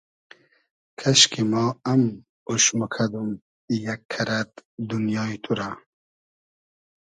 کئشکی ما ام اوش موکئدوم یئگ کئرئد دونیای تو رۂ